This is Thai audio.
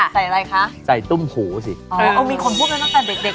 อะไรคะใส่ตุ้มหูสิอ๋อมีคนพูดมาตั้งแต่เด็กเด็ก